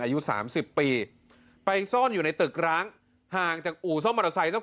อายุ๓๐ปีไปซ่อนอยู่ในตึกร้างห่างจากอู่ส้มมอเตอร์ไซค์